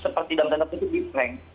seperti dalam tanda pintu diprank